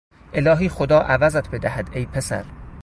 الهی خدا عوضت بدهد ای پسر!